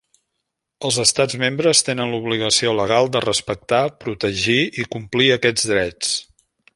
Els Estats membres tenen l'obligació legal de respectar, protegir i complir aquests drets.